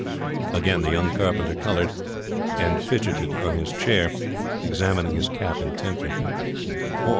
Again the young carpenter colored, and fidgeted on his chair, examining his cap intently.